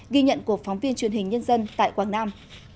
ghi nhận của phóng viên truyền hình nhân dân tại quảng nam